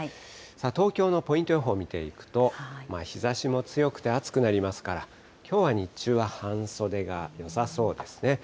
東京のポイント予報見ていくと、日ざしも強くて暑くなりますから、きょうは日中は半袖がよさそうですね。